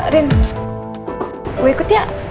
rin gue ikut ya